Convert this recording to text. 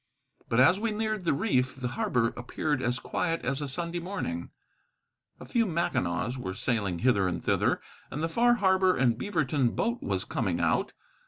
But as we neared the reef the harbor appeared as quiet as a Sunday morning: a few Mackinaws were sailing hither and thither, and the Far Harbor and Beaverton boat was coming out.